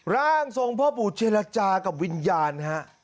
ร่างทรงพ่อปู่เจรจากับวิญญาณฮะ